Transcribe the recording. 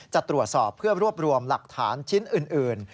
จะตรวจสอบเพื่อรวบรวมหลักฐานชิ้นอื่น